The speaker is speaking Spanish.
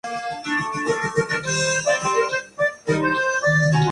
Sin embargo, Michael Andretti y sus ocho victorias lo relegaron al segundo puesto final.